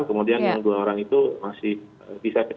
kemudian yang dua orang itu masih bisa